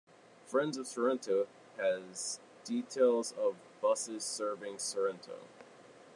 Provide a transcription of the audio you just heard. Friends of Sorrento has details of buses serving Sorrento.